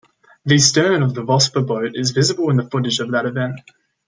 The stern of the Vosper boat is visible in the footage of that event.